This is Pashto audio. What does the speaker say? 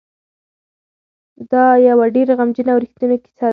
دا یوه ډېره غمجنه او رښتونې کیسه ده.